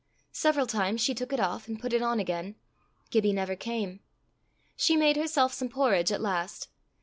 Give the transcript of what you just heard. Several times she took it off and put it on again. Gibbie never came. She made herself some porridge at last.